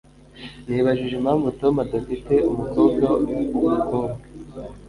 Nibajije impamvu Tom adafite umukobwa wumukobwa.